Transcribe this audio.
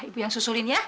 ibu yang susulin ya